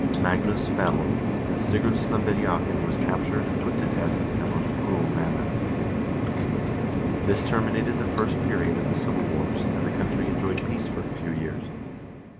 Magnus fell, and Sigurd Slembediakn was captured and put to death in a most cruel manner. This terminated the first period of the civil wars, and the country enjoyed peace for a few years.